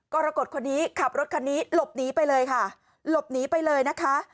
กรกฎคนนี้ขับรถคันนี้หลบหนีไปเลยค่ะ